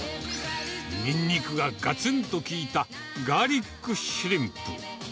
ニンニクががつんと効いたガーリックシュリンプ。